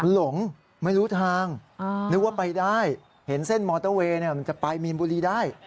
หลงไม่รู้ทางนึกว่าไปได้เห็นเส้นมอเตอร์เวย์มันจะไปมีนบุรีได้